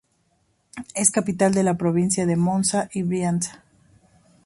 Es capital de la provincia de Monza y Brianza.